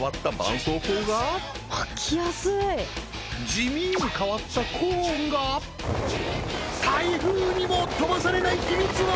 地味に変わったコーンが台風にも飛ばされないヒミツは！？